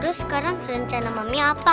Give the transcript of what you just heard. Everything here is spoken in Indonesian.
terus sekarang rencana mami apa